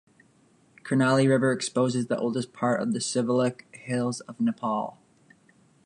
Karnali River exposes the oldest part of the Sivalik Hills of Nepal.